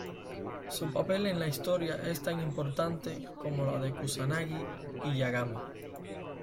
Su papel en la historia es tan importante como la de Kusanagi y Yagami.